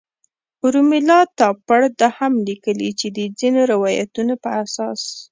رومیلا تاپړ دا هم لیکلي چې د ځینو روایتونو په اساس.